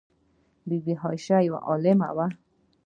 بی بي عایشه یوه عالمه وه.